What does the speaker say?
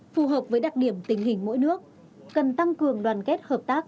phù hợp với đặc điểm tình hình mỗi nước cần tăng cường đoàn kết hợp tác